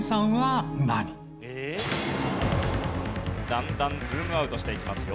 だんだんズームアウトしていきますよ。